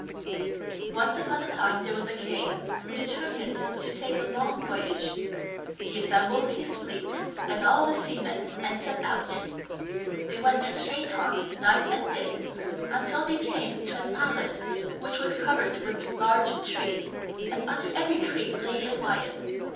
Once upon a time there was a king who determined to take a long voyage. He assembled his fleet and all the seamen, and set out. They went straight on night and day, until they came to an island which was covered with large trees, and under every tree lay a lion.